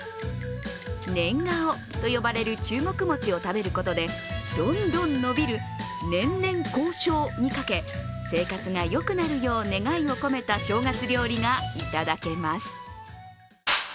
ネンガオと呼ばれる中国餅を食べることでどんどん伸び、る年々高昇にかけ生活がよくなるよう願いを込めた正月料理がいただけます。